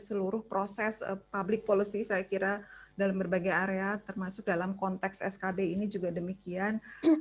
seluruh proses public policy saya kira dalam berbagai area termasuk dalam konteks skb ini juga demikian